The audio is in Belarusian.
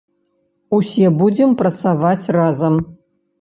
Усе будзем працаваць разам.